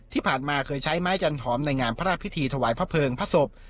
ที่ผ่านมาเคยใช้ไม้จันหอมในงานพระราชพิธีถวายพระเพิงพระศพ